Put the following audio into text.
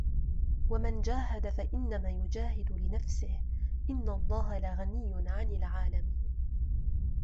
وَمَن جاهَدَ فَإِنَّما يُجاهِدُ لِنَفسِهِ إِنَّ اللَّهَ لَغَنِيٌّ عَنِ العالَمينَ